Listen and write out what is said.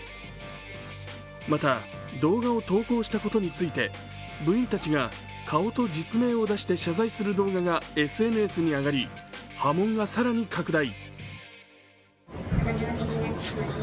また動画を投稿したことについて部員たちが顔と実名を出して謝罪する動画がＳＮＳに上がり波紋が更に拡大。